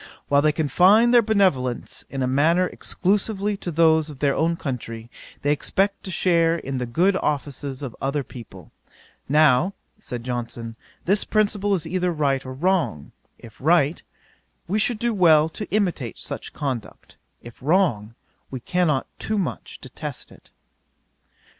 "While they confine their benevolence, in a manner, exclusively to those of their own country, they expect to share in the good offices of other people. Now (said Johnson,) this principle is either right or wrong; if right, we should do well to imitate such conduct; if wrong, we cannot too much detest it."